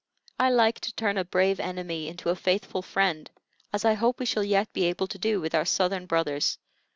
I like to turn a brave enemy into a faithful friend, as I hope we shall yet be able to do with our Southern brothers.